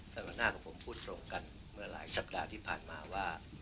สำหรับหน้าของผมพูดตรงกันเมื่อหลายสัปดาห์ที่ผ่านมาว่า